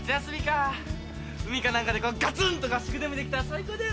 海かなんかでこうガツンと合宿でもできたら最高だよな。